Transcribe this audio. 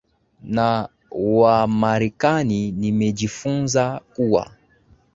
na wamarekani nimejifunza kuwa